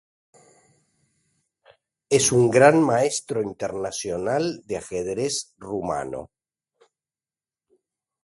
Es un Gran Maestro Internacional de ajedrez rumano.